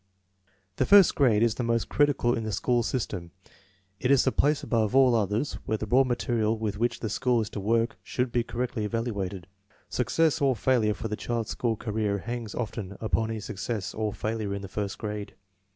The first grade is the most critical in the school system. It is the place above all others where the raw material with which the school is to work should be correctly evalu ated. Success or failure for the child's school career hangs often upon his success or failure in the first grade.